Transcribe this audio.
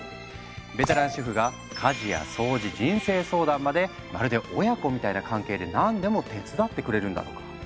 ベテラン主婦が家事や掃除人生相談までまるで親子みたいな関係で何でも手伝ってくれるんだとか。